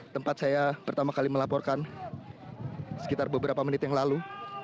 tempat saya pertama kali melaporkan sekitar beberapa menit yang lalu